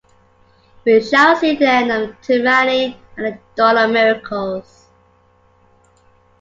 We shall see the end of tyranny and the dawn of miracles.